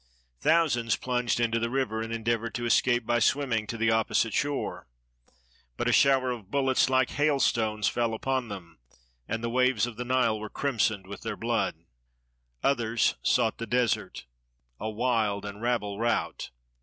Thousands plunged into the river, and endeavored to escape by swimming to the opposite shore. But a shower of bullets, like hailstones, fell upon them, and the waves of the Nile were crimsoned with their blood. Others sought the desert, a wild and rabble rout.